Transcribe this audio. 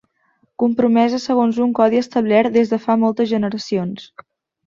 Compromesa segons un codi establert des de fa moltes generacions.